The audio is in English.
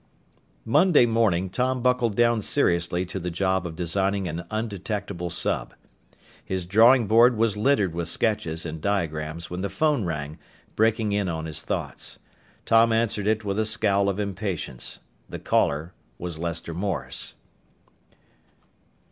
Monday morning Tom buckled down seriously to the job of designing an undetectable sub. His drawing board was littered with sketches and diagrams when the phone rang, breaking in on his thoughts. Tom answered it with a scowl of impatience. The caller was Lester Morris.